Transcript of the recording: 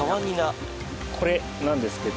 これなんですけど。